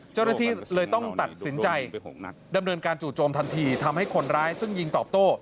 เจ้าหน้าที่เลยต้องตัดสินใจดำเนินการจู่โจมทันทีทำให้คนร้ายซึ่งยิงตอบโต้